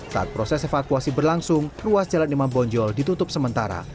saat proses evakuasi berlangsung ruas jalan imam bonjol ditutup sementara